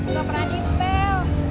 gak pernah dipel